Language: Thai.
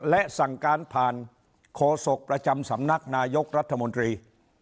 และสั่งการผ่านโคศกประจำสำนักนายกรัฐมนตรี